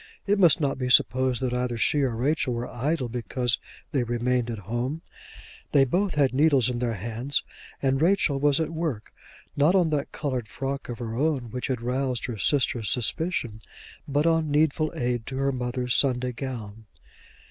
It must not be supposed that either she or Rachel were idle because they remained at home. They both had their needles in their hands, and Rachel was at work, not on that coloured frock of her own which had roused her sister's suspicion, but on needful aid to her mother's Sunday gown.